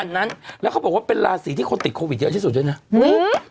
นั้นแล้วเขาบอกว่าเป็นราศีที่คนติดโควิดเยอะที่สุดด้วยนะอุ้ย